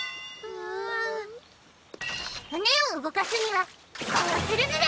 船を動かすにはこうするズラ！